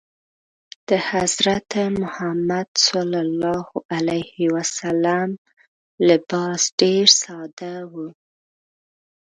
د حضرت محمد ﷺ لباس ډېر ساده و.